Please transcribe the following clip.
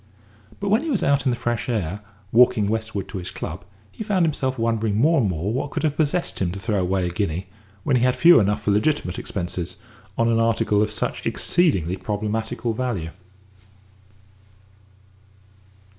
But when he was out in the fresh air, walking westward to his club, he found himself wondering more and more what could have possessed him to throw away a guinea when he had few enough for legitimate expenses on an article of such exceedingly problematical value.